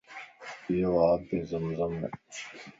يو آبِ زم زمَ